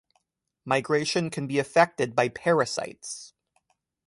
Migration can be affected by parasites.